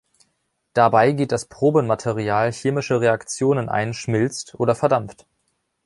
Dabei geht das Probenmaterial chemische Reaktionen ein, schmilzt oder verdampft.